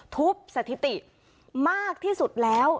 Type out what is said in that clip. ทุบสถิติมากที่สุดแล้ว